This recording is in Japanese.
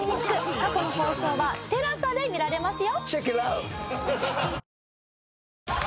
過去の放送はＴＥＬＡＳＡで見られますよ。